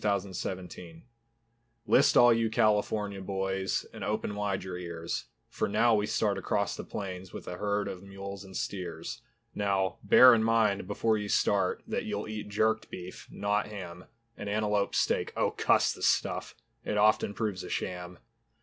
CALIFORNIA TRAIL List all you California boys And open wide your ears, For now we start across the plains With a herd of mules and steers. Now, bear in mind before you start, That you'll eat jerked beef, not ham, And antelope steak, Oh cuss the stuff! It often proves a sham.